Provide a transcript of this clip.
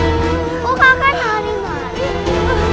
oh kakak aku sudah melakukannya